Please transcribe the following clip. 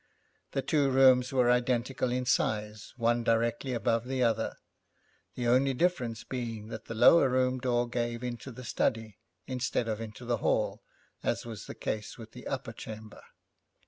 The two rooms were identical in size, one directly above the other, the only difference being that the lower room door gave into the study, instead of into the hall, as was the case with the upper chamber.